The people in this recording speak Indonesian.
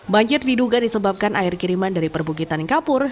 banjir diduga disebabkan air kiriman dari perbukitan kapur